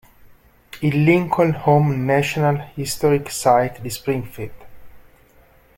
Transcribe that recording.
Il Lincoln Home National Historic Site di Springfield.